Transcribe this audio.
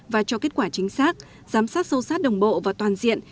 và cho kết quả chính xác giám sát sâu sát đồng bộ và toàn diện